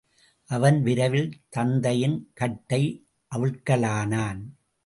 அவன் விரைவில் தந்தையின் கட்டை அவிழ்க்கலானான்.